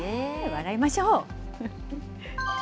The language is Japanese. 笑いましょう。